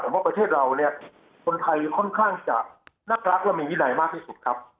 แต่ว่าประเทศเราเนี่ยคนไทยค่อนข้างจะน่ารักและมีวินัยมากที่สุดครับ